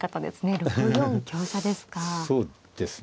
６四香車ですか。